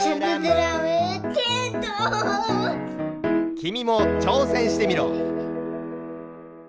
きみもちょうせんしてみろ。